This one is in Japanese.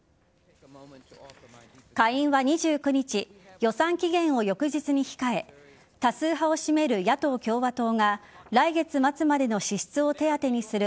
下院は２９日予算期限を翌日に控え多数派を占める野党・共和党が来月末までの支出を手当てする